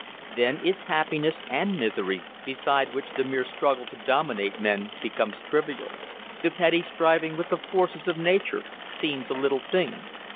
Then is happiness and misery beside which the mere struggle to dominate men becomes trivial, the petty striving with the forces of nature seems a little thing.